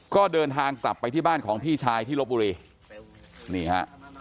ก็เดินทางกลับไปที่บ้านของพี่ชายที่ลบบุรีนี่ฮะ